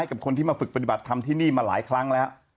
กับคนที่มาฝึกปฏิบัติธรรมที่นี่มาหลายครั้งแล้ว